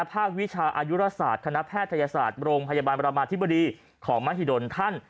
วิชาอายุราศาสตร์คณะแพทยศาสตร์โรงพยาบาลประมาธิบดีของมหิดลท่าน